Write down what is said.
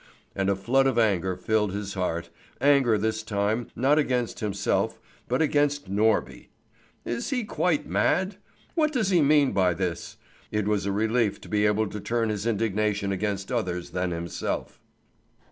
And a flood of anger filled his heart, anger this time not against himself, but against Norby. "Is he quite mad? What does he mean by this?" It was a relief to be able to turn his indignation against others than himself.